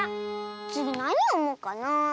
つぎなによもうかなあ。